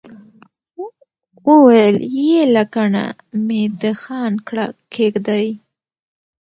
وويل يې لکڼه مې د خان کړه کېږدئ.